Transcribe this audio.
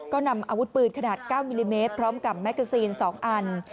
ก็นำอาวุธปืนขนาด๙มิลลิเมตรพร้อมกับแมกกาซีน๒อัน